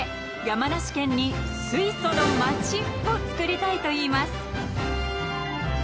山梨県に水素の街をつくりたいといいます］